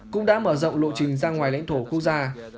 cũng đã mở rộng lộ trình ra ngoài lãnh thổ quốc gia